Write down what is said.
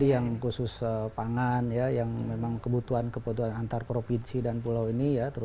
jadi yang khusus pangan yang memang kebutuhan kebutuhan antar provinsi dan pulau ini ya